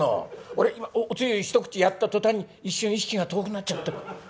俺今おつゆ一口やった途端に一瞬意識が遠くなっちゃった。